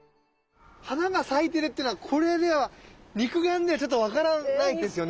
花が咲いてるっていうのはこれでは肉眼ではちょっと分からないですよね。